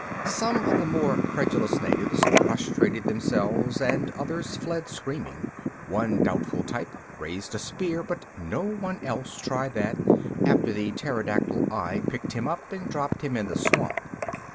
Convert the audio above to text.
Some of the more credulous natives prostrated themselves and others fled screaming. One doubtful type raised a spear, but no one else tried that after the pterodactyl eye picked him up and dropped him in the swamp.